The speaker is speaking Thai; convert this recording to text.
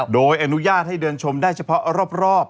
โดยอนุญาตให้เดินชมได้เฉพาะรอบ